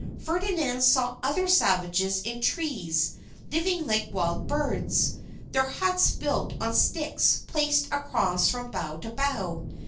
Ferdinand saw other savages in trees living like wild birds, their huts built on sticks placed across from bough to bough.